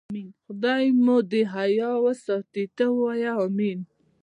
خدای مو دې حیا وساتي، ته وا آمین.